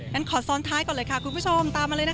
งั้นขอซ้อนท้ายก่อนเลยค่ะคุณผู้ชมตามมาเลยนะคะ